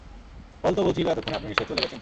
পল তো বলছিল এতক্ষণে আপনি নিশ্চয় চলে গেছেন।